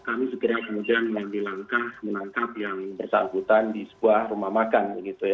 kami segera kemudian mengambil langkah menangkap yang bersangkutan di sebuah rumah makan